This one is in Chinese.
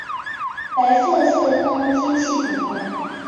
白色四方晶系粉末。